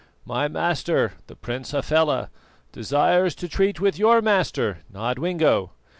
"My master, the Prince Hafela, desires to treat with your master, Nodwengo.